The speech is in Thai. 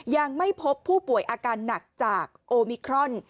ยังไม่พบผู้ป่วยอาการหนักจากโอมิครอน